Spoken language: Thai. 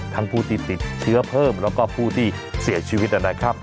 ผู้ที่ติดเชื้อเพิ่มแล้วก็ผู้ที่เสียชีวิตนะครับ